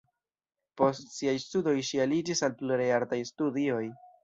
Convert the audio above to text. Post siaj studoj ŝi aliĝis al pluraj artaj studioj.